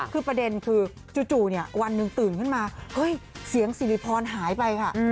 คือประเด็นคือจู่วันหนึ่งตื่นขึ้นมาเฮ้ยเสียงสิริพรหายไปค่ะ